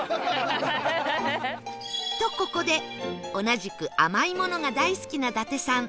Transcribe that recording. とここで同じく甘いものが大好きな伊達さん